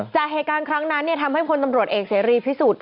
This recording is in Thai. จากเหตุการณ์ครั้งนั้นทำให้พลตำรวจเอกเสรีพิสุทธิ์